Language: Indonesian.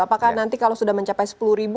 apakah nanti kalau sudah mencapai sepuluh ribu